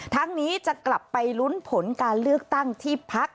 ทั้งนี้จะกลับไปลุ้นผลการเลือกตั้งที่พัก